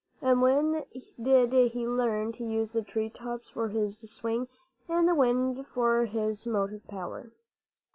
And when did he learn to use the tree tops for his swing and the wind for his motive power?